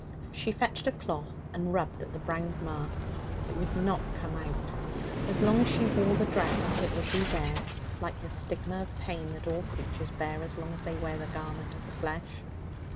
She fetched a cloth and rubbed at the brown mark. It would not come out. As long as she wore the dress it would be there, like the stigma of pain that all creatures bear as long as they wear the garment of the flesh.